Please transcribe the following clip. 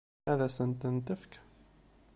Ad sent-ten-tefk?